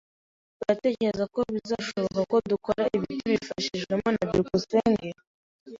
Uratekereza ko bizashoboka ko dukora ibi tutabifashijwemo na byukusenge?